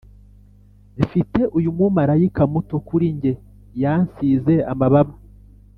mfite uyu mumarayika muto. kuri njye yansize amababa.